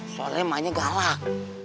soalnya emaknya galak